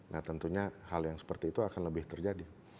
nah tentunya hal yang seperti itu akan lebih terjadi